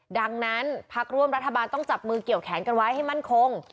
ดังนั้นพักร่วมรัฐบาลต้องจับมือเกี่ยวแขนกันไว้ให้มั่นคง